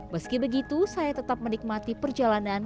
meski begitu saya tetap menikmati perjalanan